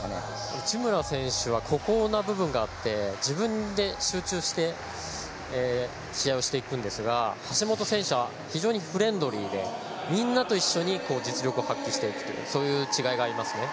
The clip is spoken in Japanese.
内村選手は孤高な部分があって自分で集中して試合をしていくんですが橋本選手は非常にフレンドリーでみんなと一緒に実力を発揮していくというそういう違いがありますね。